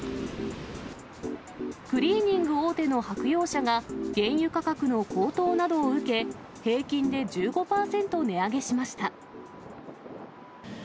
クリーニング大手の白洋舎が、原油価格の高騰などを受け、平均で１５％値上げしました。